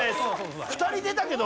２人出たけど？